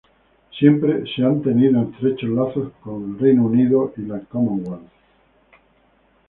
Siempre se han tenido estrechos lazos con Reino Unido y la Commonwealth.